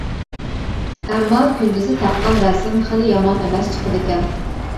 ئەمما كۈندۈزدە تارتقان رەسىم خېلى يامان ئەمەس چىقىدىكەن.